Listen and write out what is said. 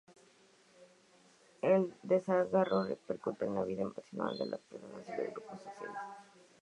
El desarraigo repercute en la vida emocional de las personas y los grupos sociales.